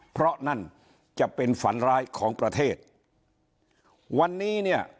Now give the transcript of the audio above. เพราะนั่นจะเป็นฝันร้ายของประเทศวันนี้เนี่ย